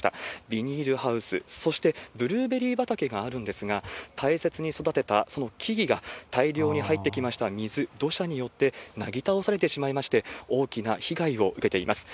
ビニールハウス、そしてブルーベリー畑があるんですが、大切に育てたその木々が、大量に入ってきました水、土砂によってなぎ倒されてしまいまして、大きな被害を受けています。